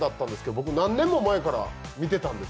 僕、何年も前から見てたんです。